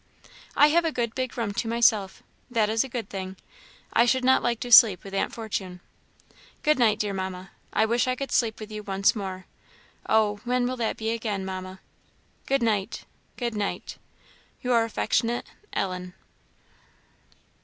I have a good big room to myself; that is a good thing. I should not like to sleep with Aunt Fortune. Good night, dear Mamma. I wish I could sleep with you once more. Oh! when will that be again, Mamma? Good night. Good night Your affectionate "ELLEN."